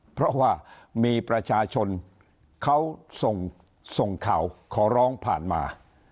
เพราะว่ามีประชาชนเขาส่งข่าวขอร้องผ่านมา